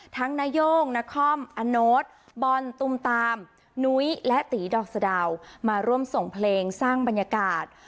นาย่งนครอโน้ตบอลตุมตามนุ้ยและตีดอกสะดาวมาร่วมส่งเพลงสร้างบรรยากาศ